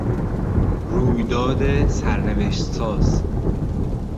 رویداد سرنوشت ساز